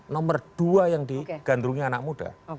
nomor dua yang digandrungi anak muda